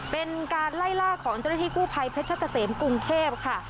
เป็นการไล่ล่าของเจ้าหน้าที่กู้ภัยเพชรเกษมกรุงเทพค่ะ